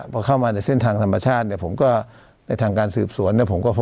พอเข้ามาในเส้นทางธรรมชาติผมก็ในทางการสืบสวน